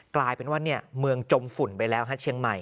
กลายเป็นว่าเมืองจมฝุ่นไปแล้วเชียงใหม่